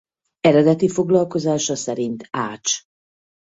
Eredeti foglalkozása szerint ács.